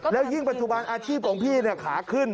แล้วยิ่งปัจจุบันอาชีพของพี่ขาขึ้น